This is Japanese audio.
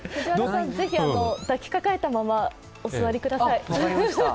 是非、抱きかかえたままお座りください。